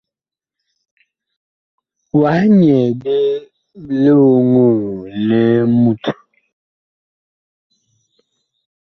Wah nyɛɛ ɓe lioŋoo li mut.